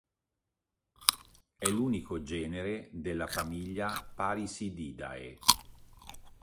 È l'unico genere della famiglia Parisididae.